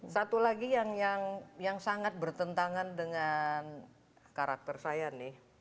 satu lagi yang sangat bertentangan dengan karakter saya nih